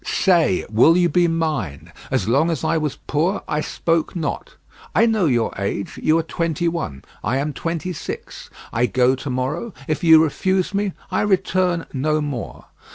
Say, will you be mine. As long as I was poor, I spoke not. I know your age. You are twenty one; I am twenty six. I go to morrow; if you refuse me I return no more.